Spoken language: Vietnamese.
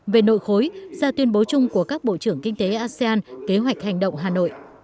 về nội khối ra tuyên bố chung của các bộ trưởng kinh tế asean kế hoạch hành động hà nội